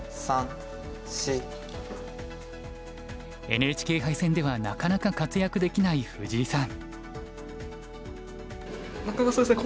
ＮＨＫ杯戦ではなかなか活躍できない藤井さん。